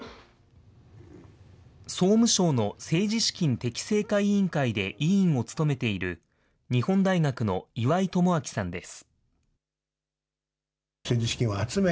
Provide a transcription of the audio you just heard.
総務省の政治資金適正化委員会で、委員を務めている、日本大学の岩井奉信さんです。